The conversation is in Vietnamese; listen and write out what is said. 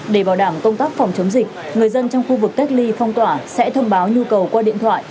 để bảo đảm công tác phòng chống dịch người dân trong khu vực cách ly phong tỏa sẽ thông báo nhu cầu qua điện thoại